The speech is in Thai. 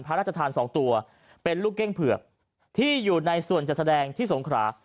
พระราชทาน๒ตัวเป็นลูกเก้งเผือกที่อยู่ในส่วนจัดแสดงที่สงขรา